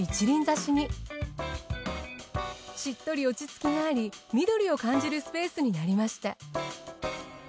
しっとり落ち着きがあり緑を感じるスペースになりました。